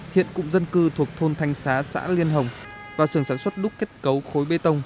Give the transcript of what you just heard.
hiện cụm dân cư thuộc thôn thanh xá xã liên hồng và sườn sản xuất đúc kết cấu khối bê tông